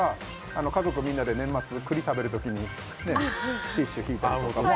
家族みんなで年末、栗を食べる時にティッシュを敷いたり。